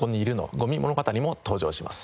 ごみ物語』も登場します。